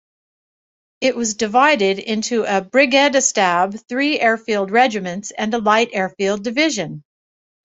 It was divided into a brigadestab, three airfield regiments, and a light airfield division.